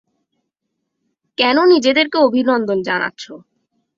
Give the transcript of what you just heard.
কেন নিজেদেরকে অভিনন্দন জানাচ্ছো?